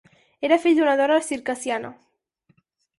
Era fill d'una dona circassiana.